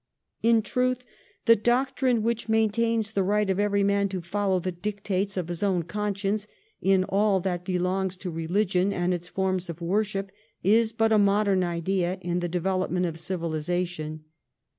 In truth, the doctrine which maintains the right of every man to follow the dictates of his own conscience in all that belongs to religion and its forms of worship is but a modern idea in the development of civili sation.